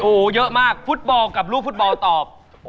ได้อะไรเยอะดิโอ้เยอะมากฟุตบอลกับลูกฟุตบอลตอบ